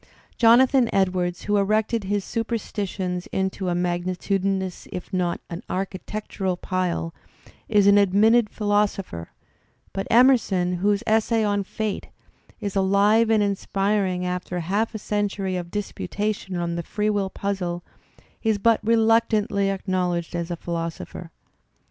Jonathan Edwards, who erected his superstitions into a magnitudinous if not an architectural pile, is an admitted philosopher; but Emerson whose essay on "Fate is alive and inspiring after half a century of disputation on the free will puzzle, is but reluctantly acknowledged as a philosopher.